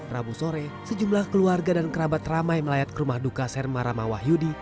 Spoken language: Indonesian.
rabu sore sejumlah keluarga dan kerabat ramai melayat ke rumah duka serma rama wahyudi